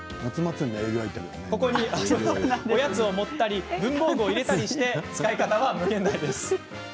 おやつを盛ったり文房具を入れたりなど使い方は無限大。